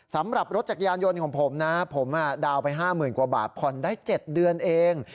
สำหรับรถจักรยานยนต์ของผมนะผมดาวน์ไป๕๐๐๐กว่าบาทผ่อนได้๗เดือนเอง